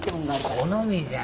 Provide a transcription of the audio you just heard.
好みじゃん。